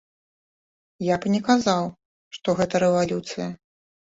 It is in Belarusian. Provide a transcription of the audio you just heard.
Я б не казаў, што гэта рэвалюцыя.